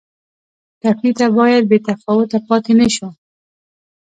ټپي ته باید بې تفاوته پاتې نه شو.